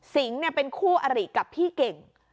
เป็นคู่อริกับพี่เก่ง